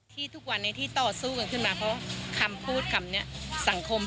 เพราะมีเงินอยู่ในบัญชีถูกไหม